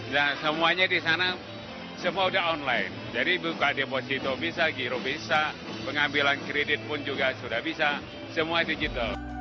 nah semuanya di sana semua sudah online jadi buka deposito bisa giro bisa pengambilan kredit pun juga sudah bisa semua digital